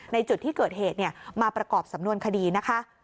ในจุดที่เกิดเหตุมาประกอบสำนวนคดีนะคะ